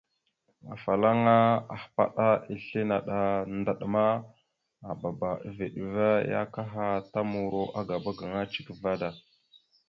Afalaŋa ahpaɗá islé naɗ a ndaɗ ma, aababa a veɗ ava ya akaha ta muro agaba gaŋa cek vaɗ da.